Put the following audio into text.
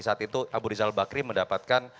saat itu abu rizal bakri mendapatkan